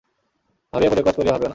ভাবিয়া করিও কাজ, করিয়া ভাবিওনা।